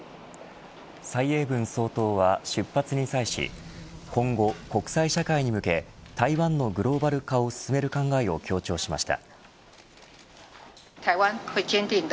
蔡英文総統は出発に際し今後、国際社会に向け台湾のグローバル化を進める考えを強調しました。